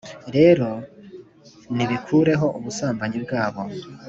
rero nibikureho ubusambanyi bwabo